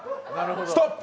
ストップ！